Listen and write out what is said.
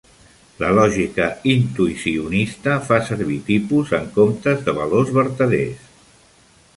La lògica intuïcionista fa servir tipus en comptes de valors vertaders.